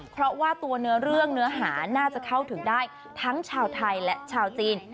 เพราะว่าตัวเนื้อเรื่องเนื้อหาน่าจะเข้าถึงได้ทั้งชาวไทยและชาวจีน